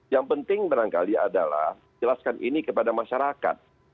yang penting barangkali adalah jelaskan ini kepada masyarakat